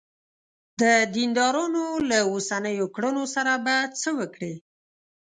د دیندارانو له اوسنیو کړنو سره به څه وکړې.